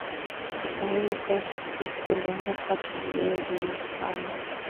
Kiswahili kuwa kilianza kama Pigini ini kwani